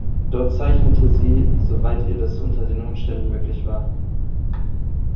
Dort zeichnete sie, so weit ihr das unter den Umständen möglich war.